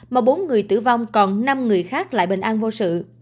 mà bốn người tử vong còn năm người khác lại bình an vô sự